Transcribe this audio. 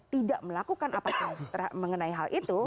tidak melakukan apa mengenai hal itu